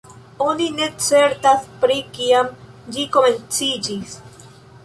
Oni ne certas pri kiam ĝi komenciĝis.